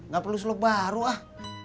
gak perlu slow baru ah